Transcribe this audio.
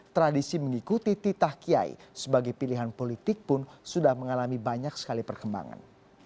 tradisi mengikuti titah kiai sebagai pilihan politik pun sudah mengalami banyak sekali perkembangan